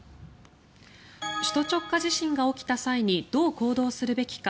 首都直下地震が起きた際にどう行動するべきか。